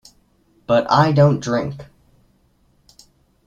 But I don't drink.